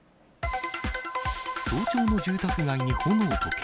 早朝の住宅街に炎と煙。